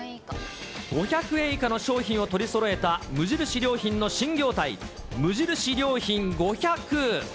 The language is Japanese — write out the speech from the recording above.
５００円以下の商品を取りそろえた無印良品の新業態、無印良品５００。